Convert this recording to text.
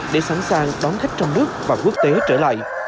để sẵn sàng đón khách trong nước và quốc tế trở lại